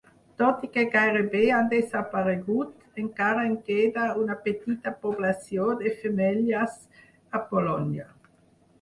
Tot i que gairebé han desaparegut, encara en queda una petita població de femelles a Polònia.